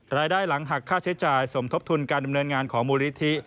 รายได้หลังหักค่าใช้จ่ายสมทบทุนการดำเนินงานของมูลนิธิ